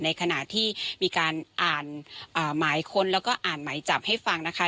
ในขณะที่มีการอ่านหมายค้นแล้วก็อ่านหมายจับให้ฟังนะคะ